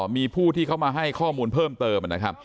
มีผู้ที่เข้ามาให้ข้อมูลเพิ่มเติม